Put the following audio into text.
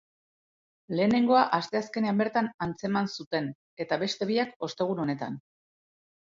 Lehenengoa asteazkenean bertan atzeman zuten, eta beste biak ostegun honetan.